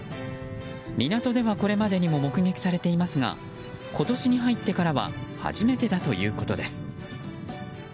港ではこれまでにも目撃されていますが今年に入ってからは初めてだということです。